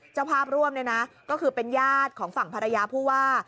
เจ้าภาพร่วมเนี่ยนะก็คือเป็นญาติของฝั่งภรรยาผู้ว่า